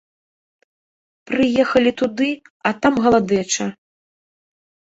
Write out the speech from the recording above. Прыехалі туды, а там галадэча.